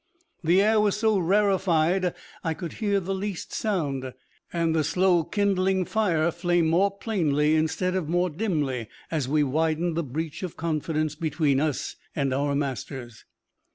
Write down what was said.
The air was so rarified I could hear the least sound, and the slow kindling fire flamed more plainly instead of more dimly as we widened the breach of confidence between us and our masters.